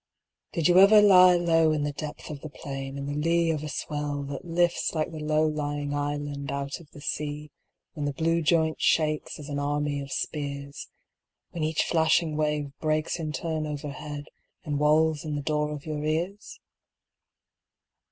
Did you ever lie low In the depth of the plain, & In the lee of a swell that lifts Like a low lying island out of the sea, When the blue joint shakes As an army of spears; When each flashing wave breaks In turn overhead And wails in the door of your ears